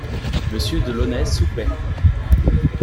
Monsieur de Launay soupait.